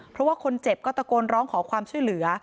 เพราะว่าคนเจ็บก็ตะโกนร้องขอความช่วยเหลือ